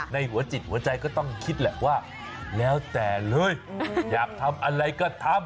ในหัวจิตหัวใจก็ต้องคิดแหละว่าแล้วแต่เลยอยากทำอะไรก็ทำ